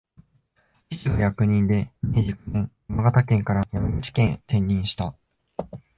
父が役人で、明治九年、山形県から山口県へ転任した